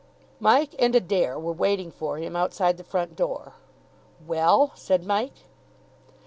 Mike and Adair were waiting for him outside the front door. "Well?" said Mike.